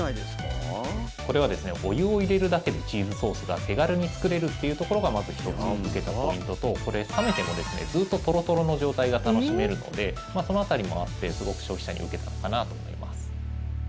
これはですねお湯を入れるだけでチーズソースが手軽に作れるっていうところがまず１つ受けたポイントとこれ、冷めてもですねずっとトロトロの状態が楽しめるのでその辺りもあってすごく消費者に受けたのかなと思います。